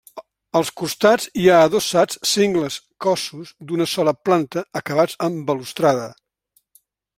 Als costats hi ha adossats sengles cossos d'una sola planta acabats amb balustrada.